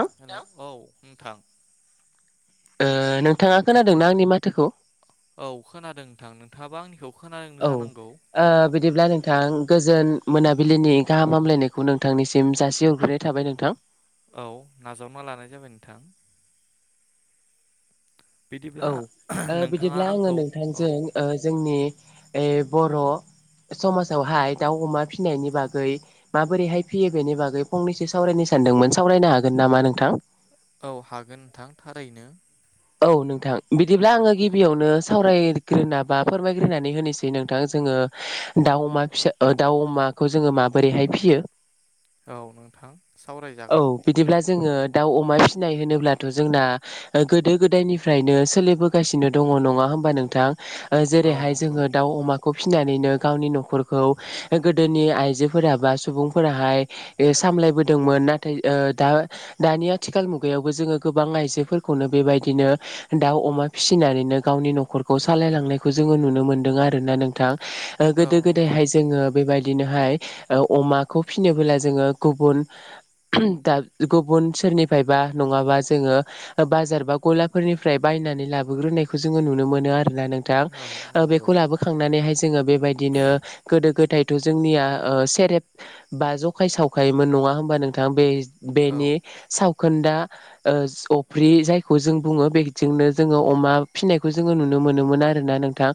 ओ औ नोंथां। ओ नोंथाङा खोनादोंना आंनि माथोखौ? औ खोनादों नोंथां नोंथाङाबा आंनिखौ खोनादों औ ओ जानांगौ बिदिब्ला नोंथां गोजोन मोनाबिलिनि गाहाम हामलायनायखौ नोंथांनिसिम जासि हरग्रोनाय थाबाय नोंथां। औ नाजावना लानाय जाबाय नोंथां औ बिदिब्ला ओ नोंथाङा बिदिब्ला आङो आंखौ औ नोंथांजों ओ जोंनि ए बर' समाजावहाय दाउ अमा फिनायनि बागै माबोरैहाय फियो बेनि बागै फंनैसो सावरायनो सानदोंमोन सावरायनो हागोन नामा नोंथां औ हागोन नोंथां थारैनो औ नोंथां बिदिब्ला आङो गिबियावनो सावरायग्रोना बा फोरमायग्रोनानै होनोसै नोंथां जों जोङो दाउ अमा फिसा दाउ अमाखौ जोङो माबोरैहाय फिसियो औ नोंथां औ सावरायजागोन बिदिब्ला जोङो दाउ अमा फिसिनाय होनोब्लाथ' जोंना गोदो गोदायनिफ्रायनो सोलिबोगासिनो दङ नङा होमबा नोंथां? ओ औ जेरैहाय नंगौ जोङो दाउ अमा खौ फिसिनानैनो गावनि न'खरखौ गोदोनि आइजोफोरा बा सुबुंफोराहाय सामलायबोदोंमोन नाथाय दा दानि आथिखाल मुगायावबो जोङो गोबां आइजोफोरखौ खौनो बेबायदिनो दाउ अमा फिसिनानैनो गावनि न'खरखौ सालायलांनायखौ जोङो नुनो मोनदों आरो आरोना नोंथां औ नंगौ गोदाय जो बेबाय बिदिनोहाय अमाखौ फिसिनोबोला जोङो गुबुन दा गुबुन सोरनिफ्रायबा नङाबा जोङो बाजार बा गलाफोरनिफ्राय बायनानै लाबोग्रोनायखौ जोङो नुनो मोनो आरो आरोना नोंथां औ नंगौ बेखौ लाबोखांनानैहाय जोङो बेबायदिनो गोदो गोदाय थ' जोंनिया सेरेब बाजखाय सावखायोमोन नङा होमबा नोंथां बे औ बेनि सावखोन्दा फ्रि जायखौ जों बुङो बेजोंनो जोङो अमा फिसिनायखौ जोङो नुनो मोनोमोन आरो ना नोंथां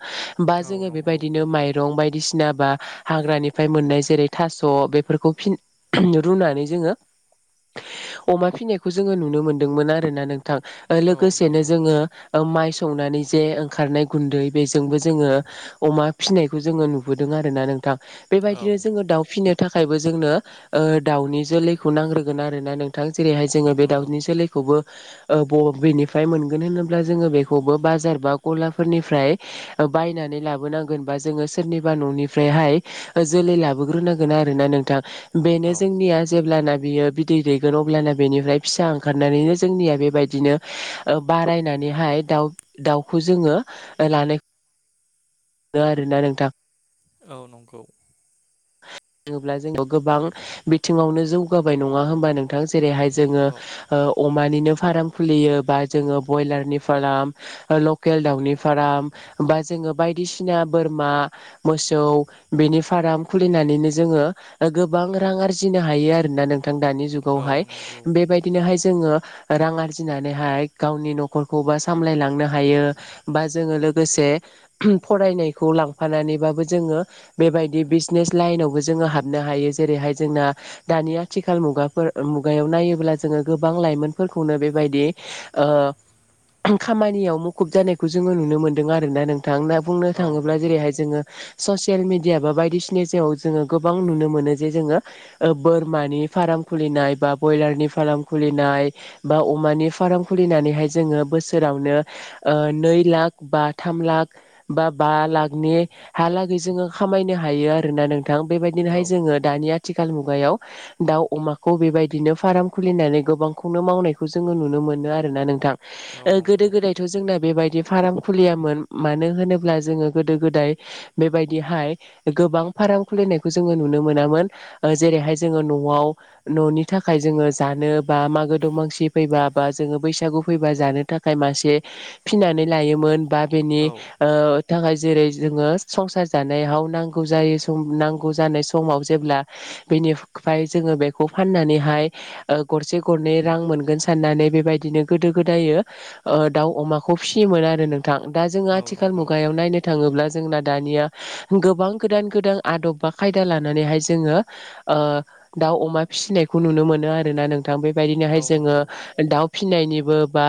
बा औ जोङो नंगौ बेबायदिनो माइरं बायदि बायदिसिना बा हाग्रानिफ्राय मोननाय जेरै थास' बेफोरखौ फि रुनानै जोङो अमा फिसिनायखौ जोङो नुनो मोनदोंमोन आरोोना नोंथां औ लोगोसेनो नंगौ जोङो ओ माइ संनानै जे ओंखारनाय गुन्दै बेजोंबो जोङो अमा फिसिनायखौ जोङो नुबोदों। आरो ना नोंथां औ बेबायदिनो जोङो दाउ फिनो थाखायबो जोंनो ओ दाउनि जोलैखौ नांग्रोगोन आरोना नोंथां। जेरैहाय जोङो बे नंगौ दाउनि जोलैखौबो ओ बबिनिफ्राय मोनगोन होनोब्ला जोङो बेखौबो बाजार बा गलाफोरनिफ्राय बायनानै लाबोनांगोन बा जोङो सोरनिबा न'निफ्रायहाय जोलै लाबोग्रोनांगोन आरो ना नोंथां। बेनो औ जोंनिया जेब्लाना बियो बिदै दैगोन अब्लाना बेनिफ्राय फिसा ओंखारनानैनो जोंनिया बेबायदिनो ओ बारायनानैहाय दाउ दाउखौ जोङो लानाय आरोना नोंथां। औ नंगौ। होनोब्ला जोंयाव गोबां बिथिङावनो जौगाबाय नङा होनबा नों थां जेरैहाय जोङो औ ओ अ मानिनो फार्म खुलियोबा जोङो बयलारनि फार्म लकेल दाउनि फार्म बा जोङो बायदिसिना बोरमा मोसौ बेनि फार्म खुलिनानैनो जोङो गोबां रां आरजिनो हायो आरोना नों थां दानि औ जुगावहाय नंगौ बेबायदिनोहाय जोङो रां आरजिनानैहाय गावनि न'खरखौबा सामलायलांनो हायो बा जोङो लोगोसे ये फरायनायखौ लांफानांनै बाबो जोङो बेबायदि बिजनेस लाइनावबो जोङो हाबनो हायो जेरैहाय जोंना दानि आथिखाल मुगाफोर मुगायाव नायोब्ला जोङो गोबां लाइमोनफोरखौनो बेबायदि ओ खामानियाव मुखुब जानायखौ जोङो नुनो मोनदों आरोना नों थां ना बुंनो औ थाङोब्ला नंगौ जेरैहाय जोङो ससियेल मिडिया बा बायदिसिना साव जोङो गोबां नुनो मोनो जे जोङो ओ बोरमानि फार्म खुलिनाय बा ब्रयलारनि फार्म खुलि खुलिनाय बा अमानि फार्म खुलिनानैहाय जोङो बोसोरावनो ओ नै लाख बा थाम लाख बा बा लाखनि हालागै जोङो खामायनो हायो आरोना नों औ बेबायदिनोहाय जोङो दानिया आथिखाल मुगायाव दाउ अमाखौ बेबायदिनो फाराम खुलिनानै गोबांखौनो मावनायखौ जोङो नुनो मो मोनो आरोना नोंथां औ ओ गोदो नंगौ गोदायथ' जोंना बेबाइदि फाराम खुलियामोन मानो होनोब्ला जोङो गोदो गोदाय बेबायदिहाय गोबां फाराम खुलिनायखौ जोङो नुनो मोनामोन ओ जेरैहाय जोङो न'आव न'नि थाखाय जोङो जानो बा मागो दमासि फैबा बा जोङो बैसागु फैबा जानो थाखाय मासे फिनानै लायोमोन। बा बेनि औ थाखाय जेरै जोङो संसार जानायाव नांगौ जायो। बुम नांगौ जानाय समाव जेब्ला बेनिफ्राय जोङो बेखौ फाननानैहाय ओ गरसे गरनै रां मोनगोन साननानै बेबायदिनो गोदो गोदायो ओ दाउ अमाखौ फिसियोमोन। आरो नोंथां दा जोंङो औ आथिखाल नंगौ मुगायाव नायनो थाङोब्ला जोंना दानिया गोबां गोदान गोदान आदब बा खायदा लानानैहाय जोङो ओ दाउ अमा फिसिनायखौ नुनो मोनो आरोना नों नोंथां बेबायदिनोहाय औ जोङो नंगौ दाव फिनायनिबो बा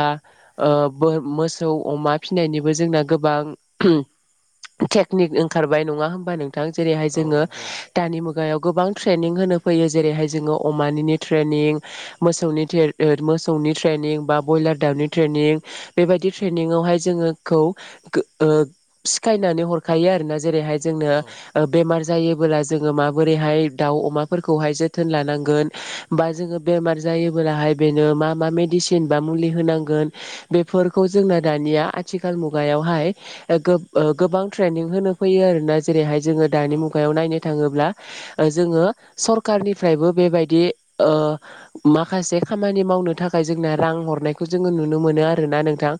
ओ बो मोसौ ओ अमा फिनायनिबो जोंना गोबां टेकनिक ओंखारबाय नङा होमबा नोंथां जेरैहाय औ जोङो नंगौ दानि मुगायाव गोबां ट्रेनिं होनो फैयो जेरैहाय जोङो अमानिनो ट्रेनिं मोसौ ओ मोसौनि ट्रेन ट्रेनिं बा बयलार दाउनि ट्रेनिं बेबायदि ट्रेनिंआवहाय जोङोखौ गो ओ सिखायनानै हरखायो आरोना जेरैहाय जोंनो औ ओ बेमार जायोबोला जोङो माबोरैहाय दाउ अमाफोरखौहाय जोथोन लानांगोन बा जोङो बेमार जायोबोलाहाय बेनो मा मा मेडिसिन बा मुलि होनांगोन बेफोरखौ जोंना दा निया आथिखाल मुगायावहाय गोब ओ गोबां ट्रेनिं होनो फैयो आरोना जेरैहाय जों औ दानि मुगायाव नायनो थाङोब्ला जोङो सरकारनिफ्रायबो बेबायदि ओ माखासे खामानि माव नो थाखाय जों रां हरनायखौ जो नुनो मोनो आरोना नोंथां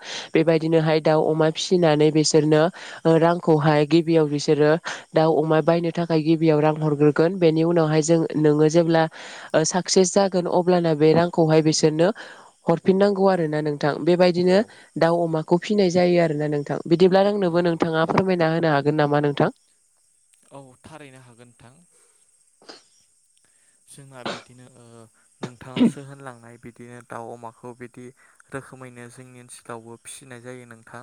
औ बेबायदिनोहाय दाउ अमा फिसिना नानै बिसोरनो रांखौहाय गिबियाव बिसोरो दाउ अमा बायनो थाखाय गिबियाव रां हरग्रोगोन बेनि उनावहाय जों नोङो जेब्ला ओ साक्सेस जागोन अब्लाना बे रांखौहाय बिसोरनो हरफिननांगौ आरोना नों थां बेबायदिनो दाउ अमाखौ फिनाय जायो आरोना नोंथां बिदिब्ला रोंनोबो नंगौ नोंथाङा फोरमायना हो नो हागोन नामा नोंथां? औ थारैनो हागोन नोंथां। जोंहा बिदिनो ओ नोंथाङासो होनलांनाय बिदिनो दाउ अमाखौ बिदि रोखोमैनो जोंनि ओनसोलावबो फिसिनाय जायो नोंथां।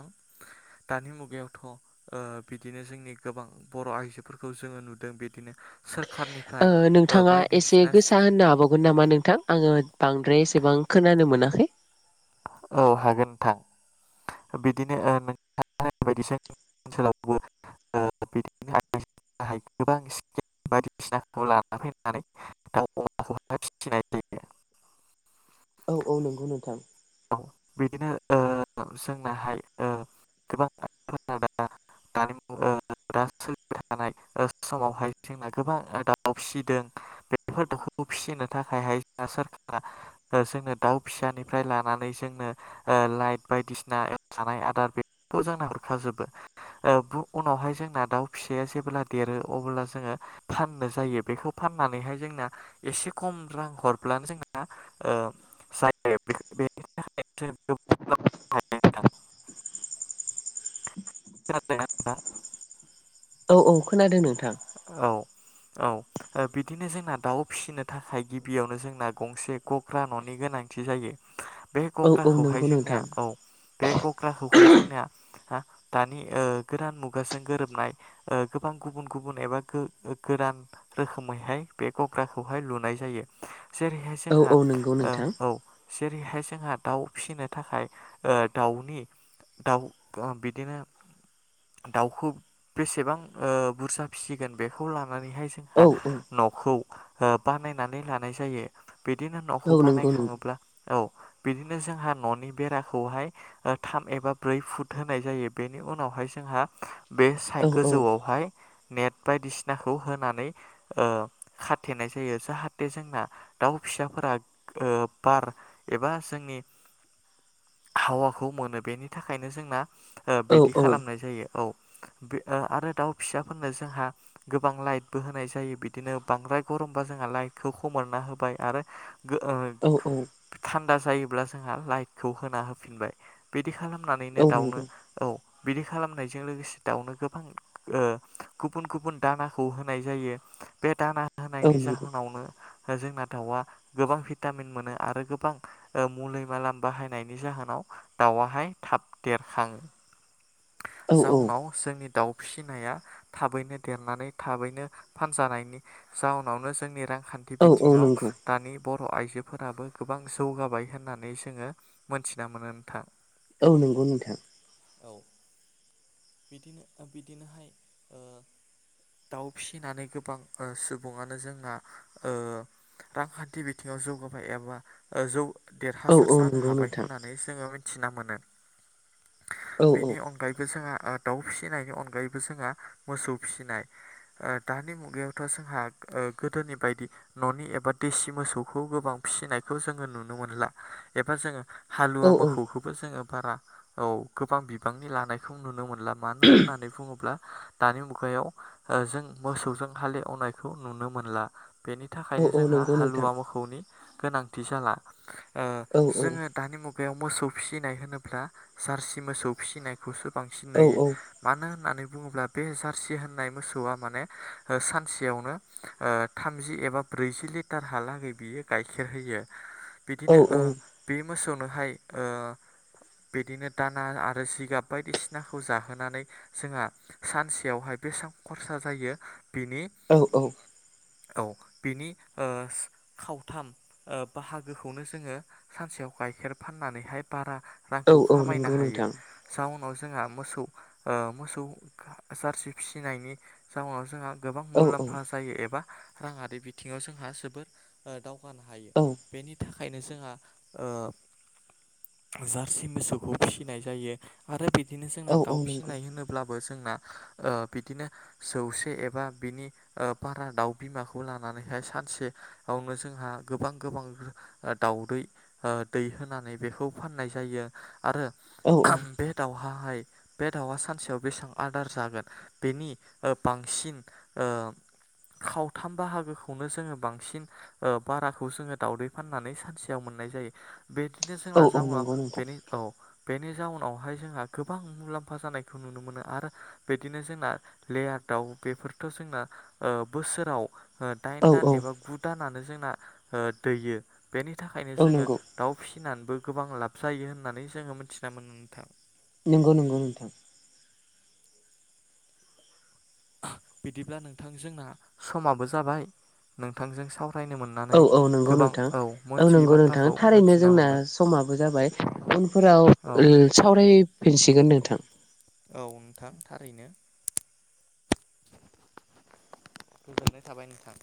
दानि मुगायावथ' ओ बिदिनो जोंनि गोबां बर' आइजोफोरखौ जोङो नुदों बिदिनो सोर खारनिफ्राय ओ एसे बायदिसिना गोसा स्किम होननो हाबावगोन नामा नोंथां आङो बांद्राय एसेबां खोनानो मोनाखै। औ हागोन नोंथां। बिदिनो ओ [unintelligible] [unintelligible] फिसिनाय जायो। औ औ नंगौ नोंथां। औ बिदिनो ओ जोंनाहाय ओ गोबां आइजोफोरा दा दानि मु ओ दा सोलिबाय थानाय समावहाय जोंना गोबां दाउ फिसिदों बेफोर दाव खौ फिसिनो थाखायहाय सोरखारा जोंनो दाउ फिसानिफ्राय ला नानै जोंनो ओ लाइट बायदिसिना जानाय आदार बेफोरखौ जोंनो हरखाजोबो। ओ बु उनावहाय जोंना दाउ फिसाया जेब्ला देरो अब्ला जोङो फाननो जायो बेखौ फा फाननानैहाय जोंना एसे खम रां हरब्लानो जोंना ओ जायो [unintelligible] बेनि थाखाय [unintelligible] [unintelligible] औ औ खोनादों नोंथां। औ औ ओ बिदिनो जोंना दाउ फिसिनो थाखाय गिबियावनो जोंना गंसे गग्रा न'नि गोनां थि जायो बे औ औ गग्राखौहाय नंगौ जोंनिया नोंथां औ बे गग्राखौहाय जों निया हा दानि ओ गोदान मुगाजों गोरोबनाय ओ गोबां गुबुन गु बुन एबा गो गोरान रोखोमैहाय बे गग्राखौहाय लुनाय जायो। जेरैहाय औ जोंहा औ नंगौ ओ नोंथां औ जे जेरैहाय जोंहा दाउ फिसिनो थाखाय ओ दाउनि दाउ ओ बिदिनो दाउखौ बेसेबां ओ बुरजा फिसिगोन बेखौ लानानैहाय जोंहा औ औ न'खौ ओ बानायनानै लानाय जायो। बिदिनो औ न'खौ बानाय नंगौ नंगौ खाङोब्ला औ बिदिनो जोंहा न'नि बेराखौहाय ओ थाम एबा ब्रै फुट होनाय जायो बेनि उनावहाय जों हा बे साइ औ औ गोजौआवहाय नेट बायदिसिनाखौ होनानै ओ खाथेनाय जायो जाहाथे जोंना दाउ फिसाफोरा ओ बार एबा जोंनि [inaudible] हावाखौ मोनो बेनि थाखायनो जोंना ओ औ बिदि खालामनाय जायो औ बि ओ आरो दाउ फिसा फोरनो जोंहा गोबां लाइतबो होनाय जायो बिदिनो बांद्राय गमबा जोंहा लाइतखौ खोमोरना होबा [unintelligible] आरो गो ओ औ थान्दा जायोब्ला जोंहा लाइटखौ होना होफिनबाय बे दि खालामनानैनो औ दाउनो नंगौ औ बिदि खालामनायजों लोगोसे दाउनो गोबां ओ गुबुन गुबुन दानाखौ होनाय जायो बे दाना औ होनायनि नंगौ जाहोनावनो जोंना दाउआ गोबां भिटामिन मोनो आरो गोबां मुलि मालाम बाहायनायनि जाहोनाव दाउआहाय थाब देरखाङो औ जाउनाव जोंनि दाउ फिसिनाया थाबैनो देरनानै थाबैनो फानजानायनि जाउनावनो जोंनि रां खान्थि औ औ बिथिङाव नंगौ दानि बर' आइजोफोराबो गोबां जौगाबाय होननानै जोङो मोनथिना मोनो नोंथां औ नंगौ नोंथां। औ बिदिनो बिदिनोहाय ओ दाउ फिसिनानै गोबां ओ सुबुङानो जोंना ओ रांखान्थि बिथिङाव जौगाबाय एबा जौ औ देरहासार औ जानो नंगौ हाबाय नोंथां होननानै जोङो मिथिना मोनो। औ बेनि अनगायैबो जोंहा आ दाउ फिसिनायनि अनगायैबो जोंहा मोसौ ओ फिसिनाय दानि मुगायावथ' जोंहा गोदोनि बायदि न'नि एबा देसि मोसौखौ गोबां फिसिनायखौ जोङो नुनो मोनला। एबा जोङो हालुवा औ मोसौखौबो जोङो बारा औ गोबां बिबांनि लानायखौ नुनो मोन मोनला मानो होननानै बुङोब्ला दानि मुगायाव ओ जों मोसौजों हालेवनायखौ नुनो मोनला। बेनि थाखायनो औ औ जोंहा नंगौ नोंथां हालुवा मोखौनि गोनांथि जाला। ओ औ औ जोङो दानि मुगायाव मोसौ फिसिनाय होनोब्ला जारसि मोसौ फिसिनाय खौबो बांसिन सिनायो मानो होननानै बुङोब्ला बे जार्सि होननाय मोसौआ माने सानसेयावनो ओ, थामजि एबा ब्रैजि लिटारहालागै बियो गाइखेर होयो औ बिदिनो ओ बे मोसौनोहाय ओ बिदिनो दाना आरो जिगाब बायदिसिनाखौ जाहोनानै जोंहा सानसेयावहाय बेसेबां खरसा जायो बिनि औ औ औ बिनि ओ, खावथाम ओ बाहागोखौनो जोङो सानसेयाव गाइखेर फाननानैहाय बारा औ रांखौ औ खामायनो नंगौ हायो नोंथां जाउनाव जोंहा मोसौ ओ मोसौ ज गोबां औ मुलाम्फा जायो एबा राङारि बिथिङाव जोंहा जोबोर दाव औ बेनो जोंहा जारसि मोसौखौ फिसिनाय जायो आरो बिदिनो औ जोंना औ दाउ नंगौ फिसिनाय होनोब्लाबो जोंना ओ बिदिनो जौसे एबा बिनि बारा दाउ बिमाखौ लानानै बेहाय सानसेयावनो जोंहा गोबां गोबां दावदै दै होनानै बे बे फाननाय जायो आरो औ बे दाउ फाहाय बे दाउआ सानसेयाव बेसेबां आदार जागोन बेनि ओ बांसिन ओ दाम खावथाम बाहागोखौनो जोङो बांसिन बाराखौ जोङो दावदै फाननानै सानसेयाव मोनो नो जोंना बेदिनो औ जोंना औ जाउनाव नंगौ नोंथां औ बेनि जाउनाव बावहाय जोंहा गोबां मुलामफा जानायखौ नुनो मोनो आरो बिदिनो जोंना लेयार दाउ बे फोरथ' जोंना ओ बोसोराव ओ दाइन औ दान औ एबा गु दानानो जोंना ओ दैयो बेनि थाखायनो औ जोङो नंगौ दाउ फिसिनानैबो गोबां लाब जायो होननानै जोङो मिथिना मोनो नोंथां नंगौ नंगौ बिदिब्ला नोंथां जोंना समाबो जाबाय नोंथांजों साव औ औ नंगौ नोंथां औ मोनथियै नंगौ नोंथां बाथ्राखौ थारैनो मोनथिना जोंना मोनबाय समाबो जाबाय उनफोराव औ ओम सावरायफिनसिगोन नोंथां औ नोंथां थारैनो गोजोननाय थाबाय नोंथां